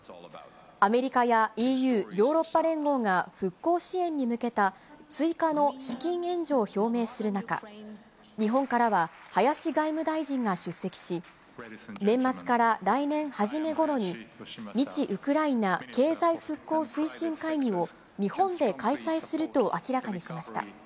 アメリカやＥＵ・ヨーロッパ連合が復興支援に向けた追加の資金援助を表明する中、日本からは林外務大臣が出席し、年末から来年初めごろに、日ウクライナ経済復興推進会議を、日本で開催すると明らかにしました。